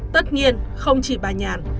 tất nhiên không chỉ bà nhàn